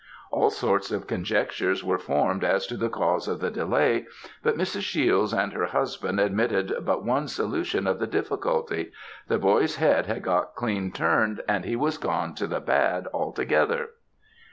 All sorts of conjectures were formed as to the cause of the delay, but Mrs. Shiels and her husband admitted but one solution of the difficulty "the boy's head had got clean turned, and he was gone to the bad althegither."